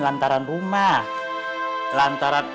lantaran rumah lantaran